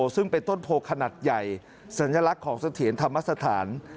ซึ่งเป็นต้นโพขนาดใหญ่สัญลักษณ์ของเสถียรธรรมสถาน